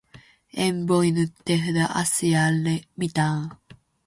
En voinut tehdä asialle mitään.